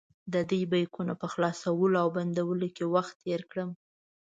ددې بیکونو په خلاصولو او بندولو کې وخت تېر کړم.